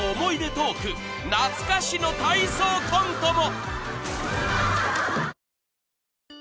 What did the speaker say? ［懐かしの体操コントも！］